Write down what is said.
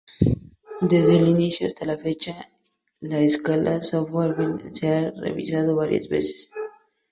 Desde el inicio hasta la fecha, la Escala Stanford-Binet se ha revisado varias veces.